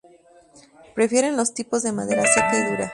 Prefieren los tipos de madera seca y dura.